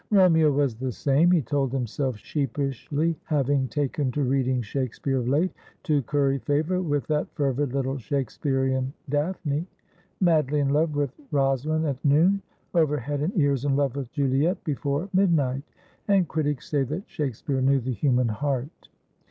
' Romeo was the same,' he told himself sheepishly, having taken to reading Shakespeare of late, to curry favour with that fervid little Shakespearian, Daphne ;' madly in love with Rosa line at noon — over head and ears in love with Juliet before midnight. And critics say that Shakespeare knew the human heart.'